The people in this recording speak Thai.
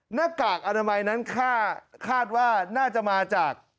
หน้ากากอนามัยนั้นคาดว่าน่าจะมาจาก